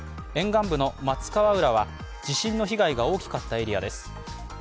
沿岸部の松川浦は地震の被害が大きかったエリアです。